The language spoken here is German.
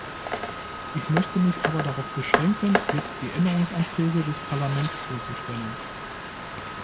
Ich möchte mich aber darauf beschränken, jetzt die Änderungsanträge des Parlaments vorzustellen.